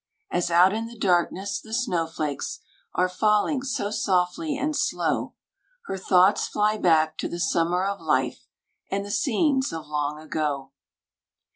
As out in the darkness, the snow flakes Are falling so softly and slow, Her thoughts fly back to the summer of life, And the scenes of long ago.